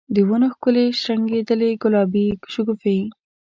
د ونو ښکلي شرنګیدلي ګلابې شګوفي